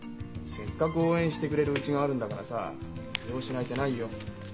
せっかく応援してくれるうちがあるんだからさ利用しない手ないよ。